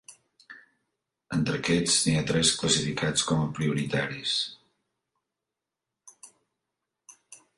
Entre aquests n'hi ha tres classificats com a prioritaris.